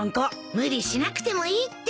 無理しなくてもいいって。